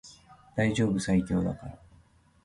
大丈夫最強だから